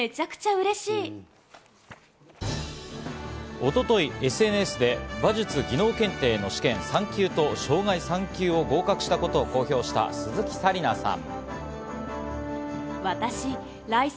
一昨日、ＳＮＳで馬術技能検定の試験３級と障害３級を合格したことを公表した鈴木紗理奈さん。